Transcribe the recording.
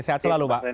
sehat selalu pak